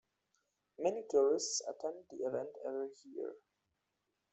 Many tourists attend the event every year.